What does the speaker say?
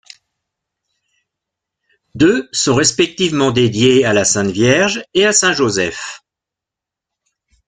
Deux sont respectivement dédiées à la Sainte Vierge et à Saint Joseph.